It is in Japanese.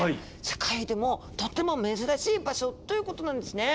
世界でもとっても珍しい場所ということなんですね。